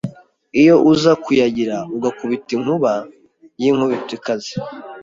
Iyo uza kuyagira ugakubita inkuba y' inkubito ikaze